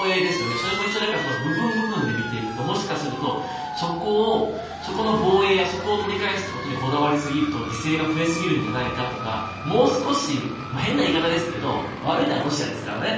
それも一応部分部分で見ていくともしかするとそこの防衛やそこを取り返すということにこだわりすぎると、犠牲が増えすぎるんじゃないかとかもう少し変な言い方ですけど悪いのはロシアですからね。